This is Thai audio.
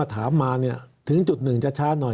ถามมาถึงจุดหนึ่งจะช้าหน่อย